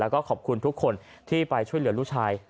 แล้วก็ขอบคุณทุกคนที่ไปช่วยเหลือลูกชาย